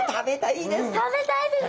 食べたいです！